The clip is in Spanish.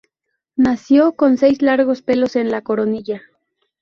Nació con seis largos pelos en la coronilla.